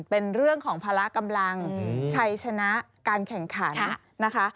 เป็นเรื่องของภาระกำลังชัยชนะการแข่งขันนะคะ